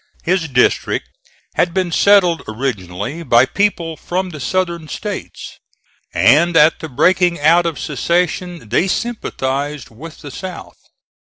His district had been settled originally by people from the Southern States, and at the breaking out of secession they sympathized with the South.